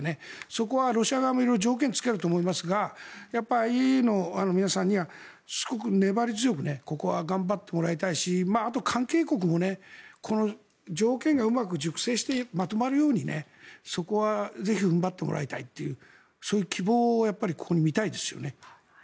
そこはロシア側も色々、条件をつけると思いますがやっぱり、ＩＡＥＡの皆さんにはすごく粘り強くここは頑張ってもらいたいしあと、関係国もこの条件がうまく熟成して、まとまるようにそこは、ぜひ踏ん張ってもらいたいというそういう希望をここに見たいですよね。